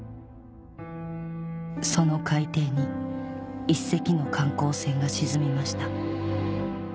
その海底に一隻の観光船が沈みました